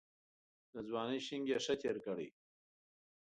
د ځوانۍ شنګ یې ښه تېر کړی.